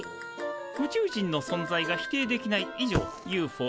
宇宙人の存在が否定できない以上ＵＦＯ